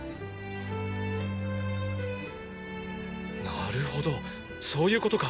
なるほどそういうことか。